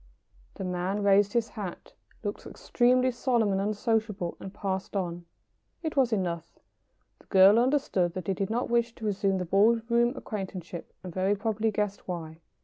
The man raised his hat, looked extremely solemn and unsociable, and passed on. It was enough. The girl understood that he did not wish to resume the ball room acquaintanceship, and very probably guessed why.